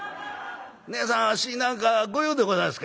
『ねえさんあっしに何か御用でございますか？』